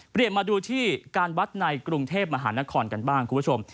มาดูที่การวัดในกรุงเทพมหานครกันบ้างคุณผู้ชม